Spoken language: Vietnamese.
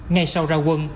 ngay sau ra quân